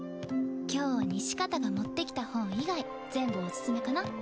今日西片が持ってきた本以外全部おすすめかな。